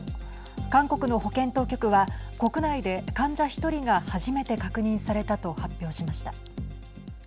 韓国の保健当局は国内で患者１人が初めて確認されたと発表しました。